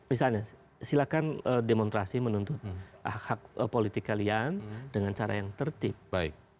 misalnya silakan demonstrasi menuntut hak hak politik kalian dengan cara yang tertib